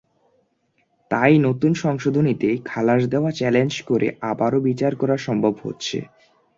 তাই নতুন সংশোধনীতে খালাস দেওয়া চ্যালেঞ্জ করে আবারও বিচার করা সম্ভব হচ্ছে।